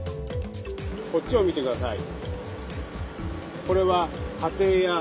こっちを見てください。